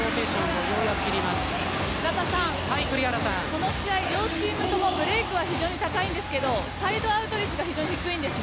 この試合、両チームともブレークが非常に高いですがサイドアウト率が非常に低いです。